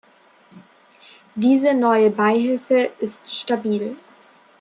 Diese neue Beihilfe ist stabil.